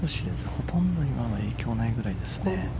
ほとんど今は影響ないくらいです。